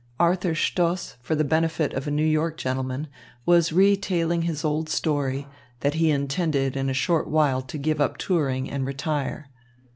Arthur Stoss, for the benefit of a New York gentleman, was retailing his old story, that he intended in a short while to give up touring and retire.